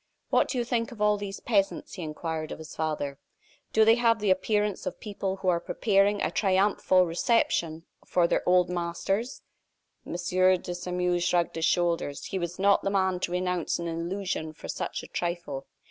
"What do you think of all these peasants?" he inquired of his father. "Do they have the appearance of people who are preparing a triumphal reception for their old masters?" M. de Sairmeuse shrugged his shoulders. He was not the man to renounce an illusion for such a trifle.